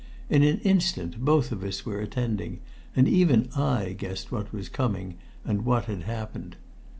In an instant both of us were attending, and even I guessed what was coming, and what had happened.